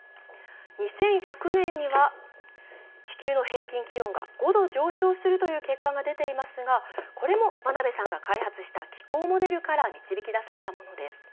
２１００年には地球の平均気温が５度上昇するという結果が出ていますがこれも真鍋さんが開発した気候モデルから導き出されたものです。